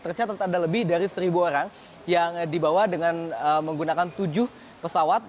tercatat ada lebih dari seribu orang yang dibawa dengan menggunakan tujuh pesawat